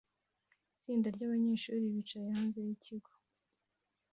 Itsinda ryabanyeshuri bicaye hanze yikigo